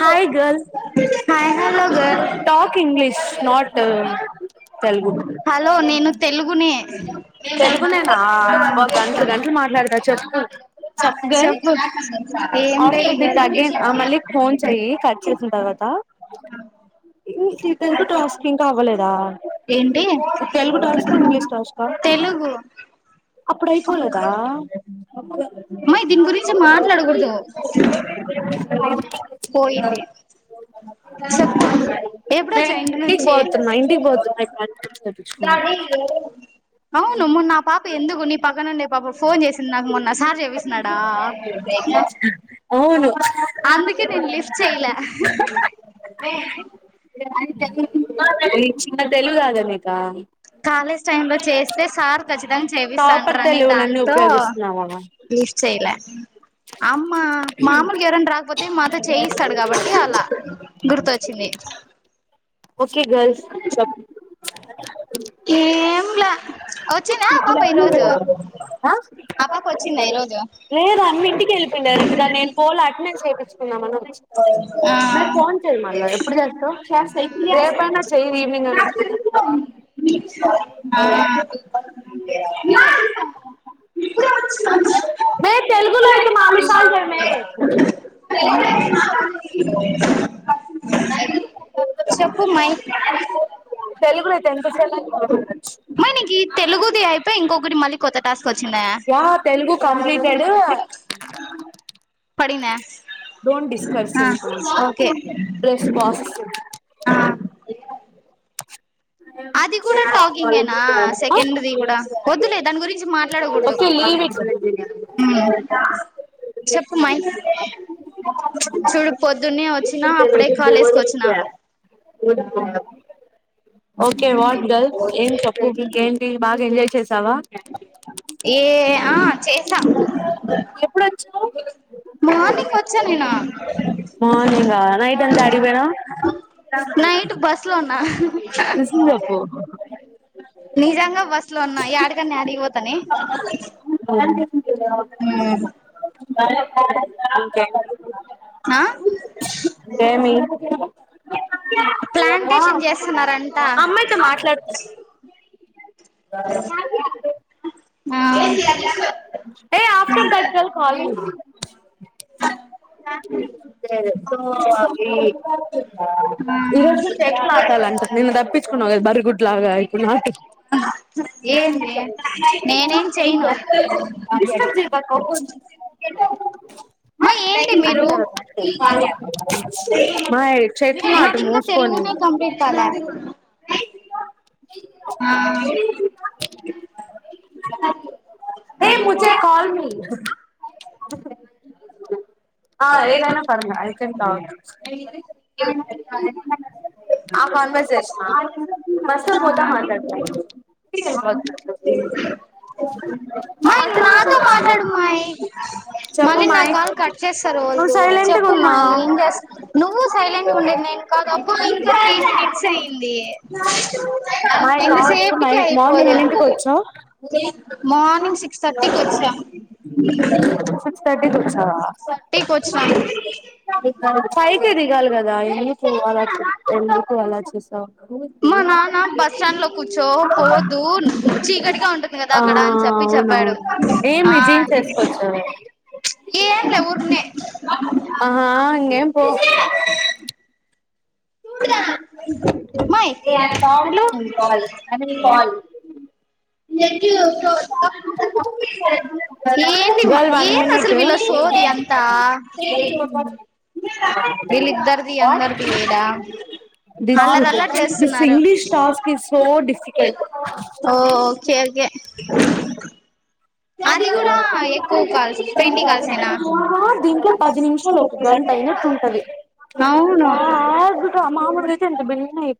Hi girls talk English not hello నేను తెలుగునే తెలుగునేనా ఓ గంట్లు గంట్లు మాట్లాడుతా చెప్పు చప్ గర్ల్ ఆఫ్టర్ దిట్ అగైన్ ఆ మళ్ళీ ఫోన్ చెయ్యి కట్ చేసిన తర్వాత ఈతిరకు టాస్క్ ఇంకా అవ్వలేదా తెలుగు టాస్కా ఇంగ్లీష్ టాస్కా అప్పుడయిపోలేదా మే దీని గురించి మాట్లాడగూడదు పోయిద్ది చెప్పు ఎప్పుడోచ్చావ్ ఇంటి నుంచి [inaudible] అవును మొన్న ఆ పాప ఎందుకు నీ పక్కనుండే పాపం ఫోన్ చేసింది. నాకు మొన్న సార్ చేపిస్తున్నాడా? ఏమో? అందుకే నేను లిఫ్ట్ చేయల? నీకు చిన్న తెలివి గాదే నీక కాలేజ్ టైం లో చేస్తే సార్ ఖచ్చితంగా చేపిస్తా అంటరని దాంతో లిఫ్ట్ చేయలా అమ్మా మామూలుగా ఎవరన్నా రాకపోతే మాతో చేయిస్తాడు. గాబట్టి అలా గుర్తొచ్చింది. [inaudible] ఓకే గర్ల్స్ చెప్ [inaudible] మ్ గుర్తులే వచ్చిందా ఆ పాప ఈ రోజు లేదు అమ్మ ఇంటికి ఎళ్ళిపోయింది. డైరెక్ట్ గా నేను పోలే అటెండెన్స్ ఎపిత్ మే ఫోన్ చేయి మళ్ళ ఎప్పుడు చేస్తావ్. రేపు అయిన చెయ్యి ఈవినింగ్ అన్న చెయ్యి ఆ అమ్మ ఇప్పుడే వచ్చిన మే తెలుగులో అయితే నాలుగుసార్లు చెయ్యి మే [inaudible] చెప్పు మై తెలుగు అయితే ఎంత సేపు అయినా మాట్లాడొచ్చు. మనకి తెలుగుది అయిపోయి ఇంకొకటి మళ్ళీ కొత్త టాస్క్ యా తెలుగు కంప్లీటెడ్ పడిన్నాస్ డోంట్ డెస్కర్సెన్ ప్లస్ పాససింగ్ [inaudible] అది గూడా టాకింగేనా సెకండ్ ది గూడా వద్దులే దాని గురించి మాట్లా మాట్లాడగూడదు ఉమ్ చెప్పు మై చూడు పొద్దున్నే వచ్చినా అప్పుడే కాలేజ్కి వచ్చిన ఉ [unintelligible] ఓకే వాట్ గల్స్ ఏం చెప్పు ఇంకా ఏంటి బాగా ఎంజాయ్ చేసావా? ఏ ఆ చేసా మార్నింగ్ వచ్చా నేన ఇంగ నైట్ అంత ఆడికిపోయినవ్. నిజం జెప్పు నిజంగా బస్ లో ఉన్నా యాడికంటే యాడికి పోతనే ఆ డెమీ ఆ అమ్మాయితో మాట్లాడు [inaudible] ఏ after that girl calling [inaudible] so అవి ఈరోజు నువ్వు చెట్లు నాటాలంట నిన్న తప్పించుకున్నావు కదా బర్రె గొడ్డు లాగా ఇప్పుడు నాటు డిస్టర్బ్ చేయబాకు ఓ కొంచెం సేపు మ్మ ఏ ఏంటి మీరు నాది ఇంకా తెలుగునే కంప్లీ ట్ కలా ఆ ఏ ముజే కాల్ మీ [inaudible] ఆ ఏదైనా పర్లే అయితే కావచ్చు ఆ కన్వర్సేషనా ఫస్ట్ పోతా మాట్లాడుకుందాం టికల్ ఆటో మాట్లాడు మమ్మీ మళ్లీ నా కాల్ కట్ చేస్తారు వాళ్లు చెప్పుమ్మా ఏం చేస్త నువ్వు సైలెంట్ గా ఉండేది. నేను కాదు అబ్బ ఇంకా త్రీ మినిట్సే అయింది ఎంత సేపటిక్ టికి ఐయిపోదు మార్నింగ్ సిక్స్ థర్టీ కి వచ్చ సిక్స్ థర్టీ కి వచ్చావ పైకి దిగాలి కదా ఎందుకు అలా చెప్ ఎందుకు అలా చేస్త తవ్ ఆ ఆ అవునవును ఏమి జీన్స్ ఏసుకోవచ్చు అహా ఇంగేమ్ పో మ్మాయ్ హలో ఏందిమ్మా ఏంది అసలు వీళ్ల సో సోది అంతా వీల్లిద్దరిది అందరిది ఈడ అ అల్లరి అల్లరి చేస్తున్నారు ఓ చేదుకే అది కూడా అ దీంట్లో పది నిమిషాలు ఒక గంట అయినట్టుంటది ల్యాగ్ గా మాములుగా అయితే ఎంత బిన్నయి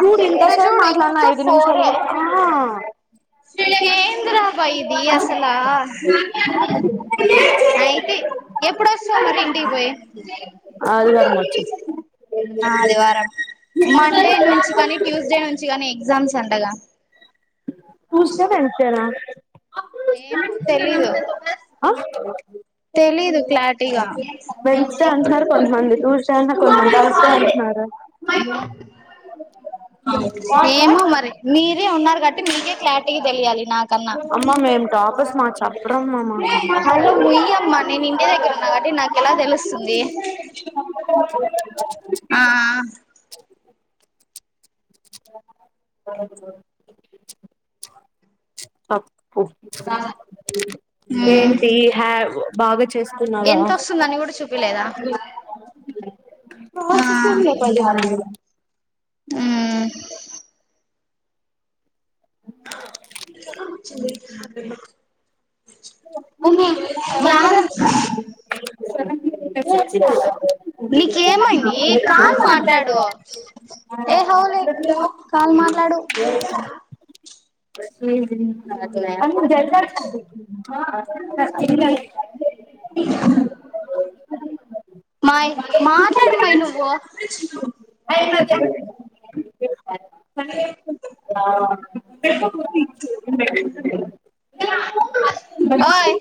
చూడు ఇంతసేపు మాట్లాడిన ఐదు నిమిషాలు కూడ ఆ ఏందిరా బయ్ ఇది అసలా అయితే ఎప్పుడు వస్తవు మరి ఇంటికి పోయ్ ఆదివారం వచ్చి ఆదివారం మండే నుంచి కానీ ట్యూస్డే నుంచి కానీ ఎగ్జామ్స్ అంటగా ట్యూస్డే వెన్స్డే నా ఏమో తెలీదు వెన్స్డే అంటున్నారు కొంతమంది ట్యూస్డే అంటున్నారు కొంతమంది థర్స్డే అంటున్నారు. కదా మై మమ్ ఏమో మరి మీరే ఉన్నార్ గట్టి మీకే క్లారిటీగా తెలియాలి నా కన్నా హలో ముయ్ అమ్మా నేను ఇంటి దగ్గర ఉన్న కాబట్టి నాకెలా తెలుస్తుంది పప్ ఏంటి హా బాగా చేస్తున్నావా అగా [unintelligible] అమ్మ [unintelligible] నీకేమైంది కాల్ మాట్లాడు ఏ హవులే కాల్ మా మాట్లాడు [unintelligible] [unintelligible] మ్మాయ్ మాట్లాడు మ్మాయ్ నువ్వు [unintelligible] అదే [unintelligible] ఓయి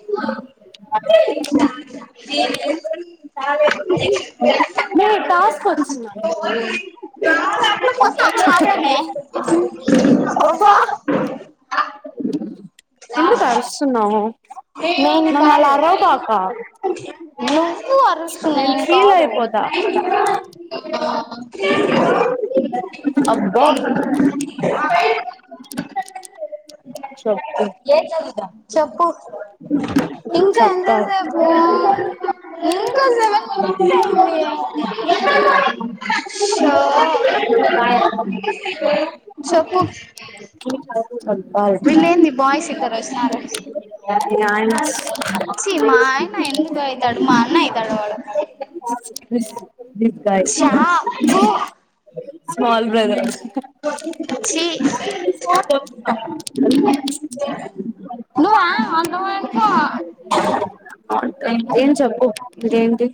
[unintelligible] [unintelligible] మాట్లడమే ఎందుకు అరుస్తానావు నేను కాదు నువ్వు అరస్తున్నాది నిను కాదు అబ్ ఏ చెప్పు ఇంకా ఎంత సేపు [unintelligible] షో [unintelligible] చెప్పు విలేంది బాయ్స్ ఇకార వస్తున్నారు. మి ఆయన వస్తున్న చి మా ఆయన ఎందుకు అవుతాడు, మా అన్న అవుతాడు వాడు. దికాయి స్మల్ బ్రదర్ చి నువ్వు రా అన్నం వండిపో ఏం చెప్పు ఇంకా ఏంటి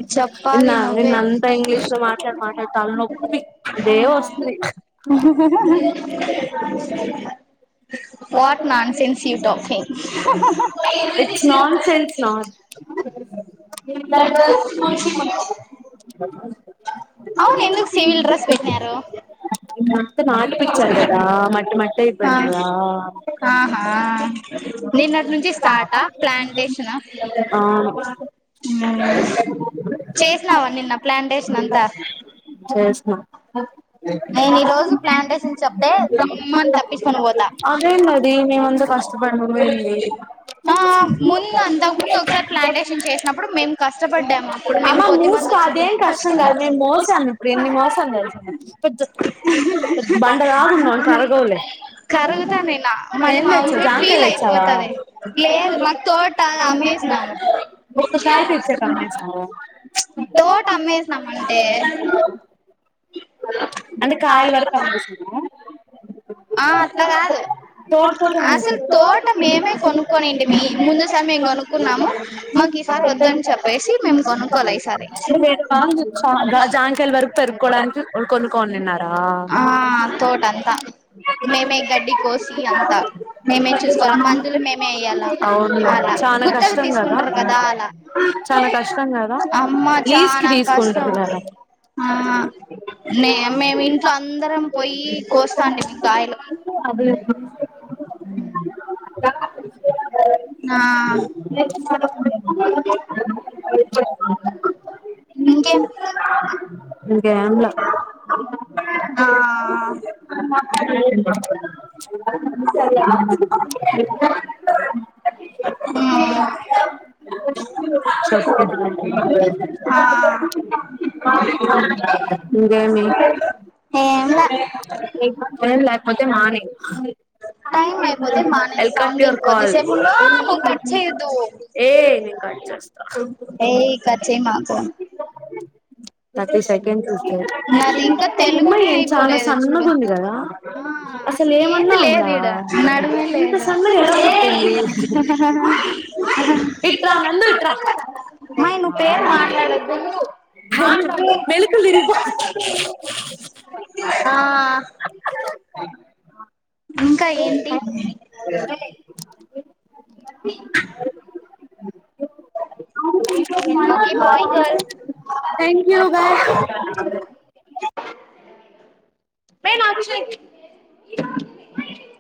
నిన్న నిన్నంతా ఇంగ్లీష్ లో మాట్లాడి, మాట్లాడి తల నొప్పి ఒకటే వస్తుంది. [unintelligible] What nonsense you tucking [unintelligible] అవును ఎందుకు సివిల్ డ్రెస్ పెట్టినారు, నిన్న అంత నాటు వేపించారు, కాదా మట్టి మట్టి అయిపోయింది కదా ఆహా నిన్నటి నుంచి స్టార్ట్ ప్లాంటేషన్ చేసినావా నిన్న ప్లాంటేషన్ అంతా అ నేను ఈ రోజు ప్లాన్టేషన్ అన్ని చెప్తే, దాంఅన్ని తప్పించుకొని పోతా మేముండి కష్టపడిందే లేదు ఆ ముందు అంత ముందు ఒకసారి ప్లాంటేషన్ చేసినప్పుడు, మేము కష్టపడ్డాము అప్పుడు మేము కొద్దిమంది, అదేం కష్టం కాదు మేము మోసాం ఇప్పుడు ఇన్ని మోసాం [unintelligible] బండలగున్నా ఇంకా అరగవు లే తెచ్చావా, ఒక కాయ తెచ్చావా [unintelligible] [unintelligible] అంట కాయల్ వరకు అమ్మేస్తారా ఆ అట్లా కాదు అసలు తోట మేమే కొనుక్కనింటిమీ ముందుసారి మేము కొనుక్కున్నాము ఈసార్ వద్దని చెప్పేసి మేము కొనుక్కోల ఈ సారి అప్పుడంటే కొనుక్కొనితిన్నారు ఆ తోటంతా మేమే గడ్డి కోసి అంతా మేమేం చూసుకోవాల మందులు మేమే వేయ్యాల అలా గుర్తుకు తీసుకుంటారు కదా అలా అమ్మ చాలా కష్టం అలా ఆ నే మేము ఇంట్లో అందరం పోయి కోస్తాంటిమి మీ కాయలు [inaudible] [inaudible] ఏం లా [unintelligible] హ్మ్ చెప్పు [unintelligible] ఇంకేమి లేకాపోతే మానేయి అ టైమ్ అయిపోతే మానేసాంటి ఇం కొద్దిసేపు హా నువ్వు కట్ చేయద్దు ఏయ్ కట్ చేమాకా [unintelligible] అమ్మాయి చాలా సన్నగా ఉంది కదా అసలు ఏమన్నా వుందా ఇంత సన్నగా ఎలా ఉంటుంది ఇట్రా నందు ఇట్రా మెలికలు తిరిగిపోతుంది [unintelligible] అది థ్యాంక్ యూ [inaudible] మేను అక్షి